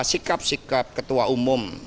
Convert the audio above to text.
sikap sikap ketua umum